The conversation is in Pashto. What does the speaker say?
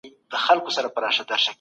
طلاق د حل لاره نه ده.